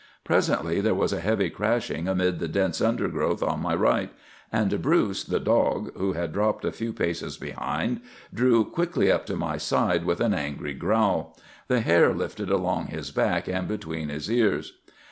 "Presently there was a heavy crashing amid the dense undergrowth on my right; and Bruce, the dog, who had dropped a few paces behind, drew quickly up to my side with an angry growl. The hair lifted along his back and between his ears.